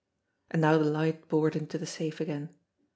And now the light bored into the safe again.